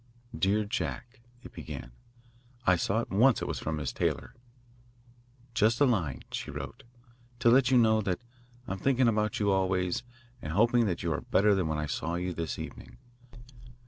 "Dear Jack," it began. I saw at once that it was from Miss Taylor. "Just a line," she wrote, "to let you know that I am thinking about you always and hoping that you are better than when I saw you this evening.